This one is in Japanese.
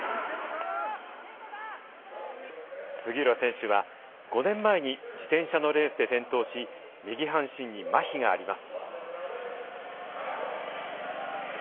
杉浦選手は５年前に自転車のレースで転倒し右半身にまひがあります。